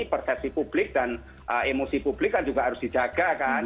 persepsi publik dan emosi publik kan juga harus dijaga kan